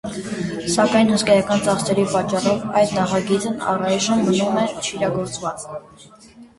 Սակայն հսկայական ծախսերի պատճառով այդ նախագիծն առայժմ մնում է չիրագործված։